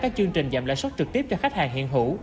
các chương trình giảm lãi suất trực tiếp cho khách hàng hiện hữu